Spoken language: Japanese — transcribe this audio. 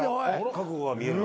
覚悟が見えるな。